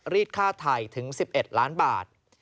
รีดค่าไทยถึง๑๑ล้านบาท